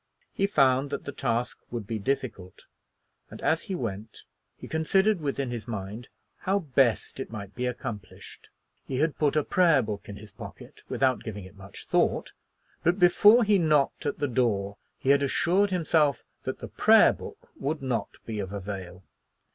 He found that the task would be difficult, and as he went he considered within his mind how best it might be accomplished. He had put a prayer book in his pocket, without giving it much thought; but before he knocked at the door he had assured himself that the prayer book would not be of avail.